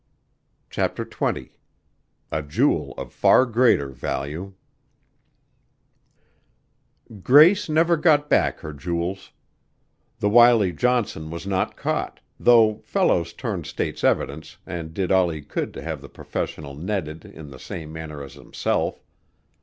CHAPTER XX "A jewel of far greater value" Grace never got back her jewels. The wily Johnson was not caught, though Fellows turned state's evidence and did all he could to have the professional netted in the same manner as himself.